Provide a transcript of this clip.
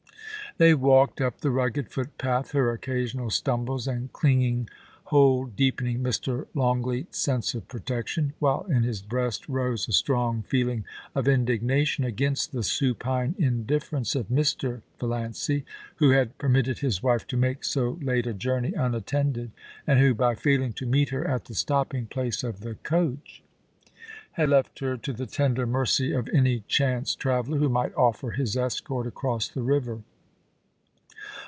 They walked up the rugged footpath, her occasional stumbles and clinging hold deepening Mr. Longleat's sense of protection, while in his breast rose a strong feeling of indignation against the supine indifference of Mr. Valiancy, who had permitted his wife to make so late a journey unattended, and who, by failing to meet her at the stopping place of the coach, had THE WE A VI NG OF THE SPELL. 39 left her to the tender mercy of any chance traveller who might offer his escort across the river.